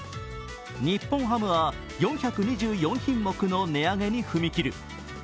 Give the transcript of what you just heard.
日本ハムは４２４品目の値上げに踏み切る。